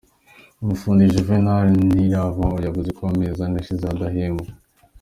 Umufundi, Juvenal Ntirivamunda yavuze ko amezi ane ashize adahembwa.